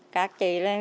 các chị lên